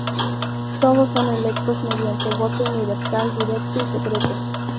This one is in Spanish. Todos son electos mediante voto universal, directo y secreto.